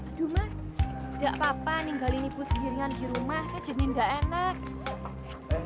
aduh mas gak apa apa ninggalin ibu sendirian di rumah saya jamin gak enak